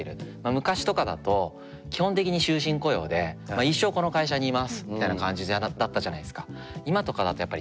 昔とかだと基本的に終身雇用で「一生この会社に居ます！」みたいな感じだったじゃないですか。